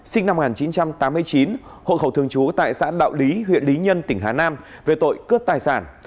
sinh năm một nghìn chín trăm tám mươi chín hộ khẩu thường trú tại xã đạo lý huyện lý nhân tỉnh hà nam về tội cướp tài sản